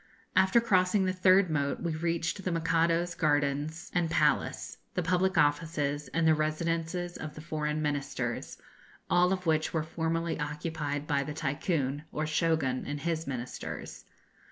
After crossing the third moat we reached the Mikado's gardens and palace, the public offices, and the residences of the foreign Ministers, all of which were formerly occupied by the Tycoon, or Shogun, and his ministers.